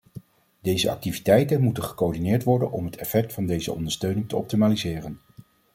Deze activiteiten moeten gecoördineerd worden om het effect van deze ondersteuning te optimaliseren.